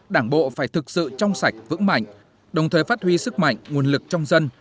đảng bộ phải thực sự trong sạch vững mạnh đồng thời phát huy sức mạnh nguồn lực trong dân